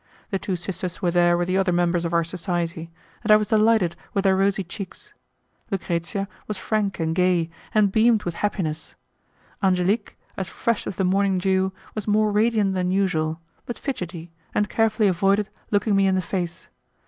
The two sisters were there with the other members of our society, and I was delighted with their rosy cheeks. Lucrezia was frank and gay, and beamed with happiness; Angelique, as fresh as the morning dew, was more radiant than usual, but fidgety, and carefully avoided looking me in the face.